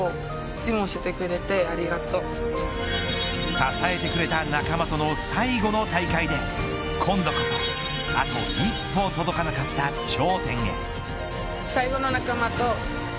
支えてくれた仲間との最後の大会で今度こそあと一歩届かなかった頂点へ。